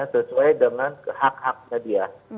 sesuai dengan hak haknya dia